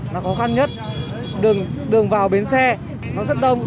là khó khăn nhất đường vào bến xe nó rất đông